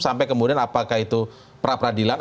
sampai kemudian apakah itu pra peradilan